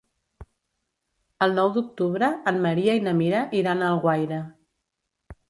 El nou d'octubre en Maria i na Mira iran a Alguaire.